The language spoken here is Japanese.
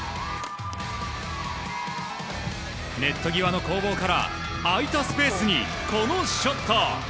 ネット際の攻防から空いたスペースにこのショット！